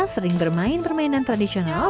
sering bermain permainan tradisional